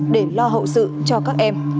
để lo hậu sự cho các em